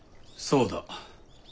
そうだ。